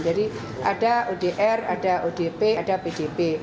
jadi ada odr ada odp ada pdp